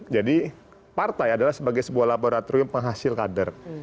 jadi partai adalah sebagai sebuah laboratorium penghasil kader